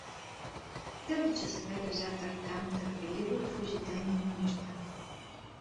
Дълги часове лежа той там търпеливо в ожидание на нощта.